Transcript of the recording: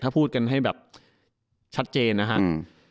ถ้าพูดกันให้แบบชัดเจนนะครับ